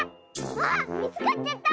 わみつかっちゃった！